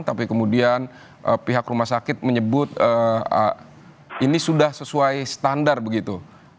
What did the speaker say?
tapi kemudian pihak rumah sakit menyebut ini sudah sesuai standar begitu